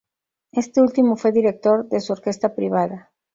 Este último fue director de su orquesta privada.